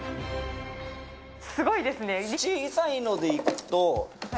すごいですね。